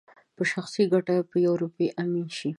په شخصي ګټه په يوه روپۍ امين شي